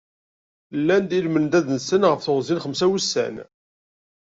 Llan-d i lmendad-nsen ɣef teɣzi n xemsa wussan.